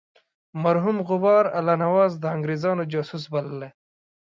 مرحوم غبار الله نواز د انګرېزانو جاسوس بللی.